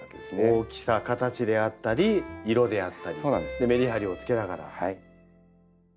大きさ形であったり色であったりメリハリをつけながら。